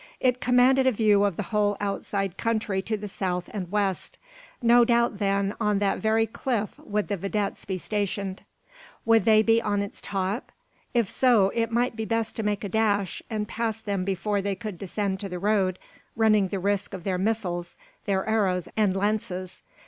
It commanded a view of the whole outside country to the south and west. No doubt, then, on that very cliff would the videttes be stationed. Would they be on its top? If so, it might be best to make a dash, and pass them before they could descend to the road, running the risk of their missiles, their arrows and lances.